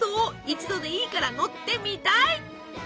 一度でいいから乗ってみたい！